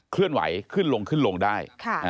เคลื่อนไหวขึ้นลงขึ้นลงได้